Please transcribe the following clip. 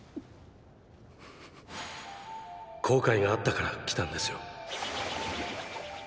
後悔があったから来たんですよ。